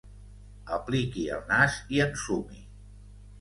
Apliqui el nas i ensumi.